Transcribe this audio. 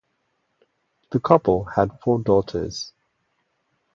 The couple had four daughters.